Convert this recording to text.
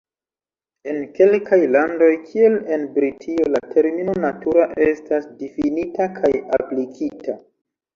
En kelkaj landoj kiel en Britio la termino "natura" estas difinita kaj aplikita.